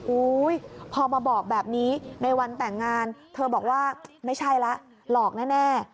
พอมาบอกแบบนี้ในวันแต่งงานเธอบอกว่าไม่ใช่แล้วหลอกแน่